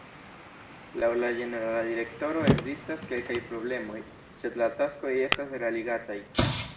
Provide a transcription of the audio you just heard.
Laŭ la ĝenerala direktoro ekzistas kelkaj problemoj, sed la taskoj estas realigataj.